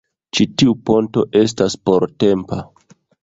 Ĉi tiu ponto estas portempa